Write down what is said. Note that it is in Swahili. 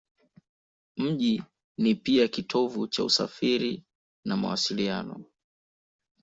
Mji ni pia kitovu cha usafiri na mawasiliano.